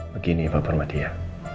begini bapak parmatia